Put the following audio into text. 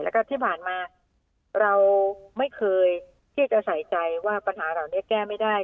แล้วก็ที่ผ่านมาเราไม่เคยที่จะใส่ใจว่าปัญหาเหล่านี้แก้ไม่ได้